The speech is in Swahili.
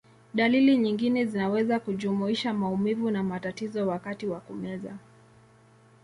Dalili nyingine zinaweza kujumuisha maumivu na matatizo wakati wa kumeza.